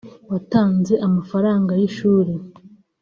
Watanze amafaranga y’ishuri